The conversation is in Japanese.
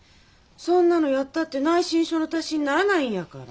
そんなのやったって内申書の足しにならないんやから。